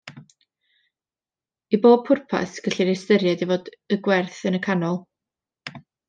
I bob pwrpas, gellir ei ystyried i fod y gwerth yn y canol.